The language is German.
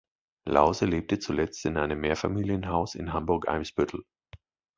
Lause lebte zuletzt in einem Mehrfamilienhaus in Hamburg-Eimsbüttel.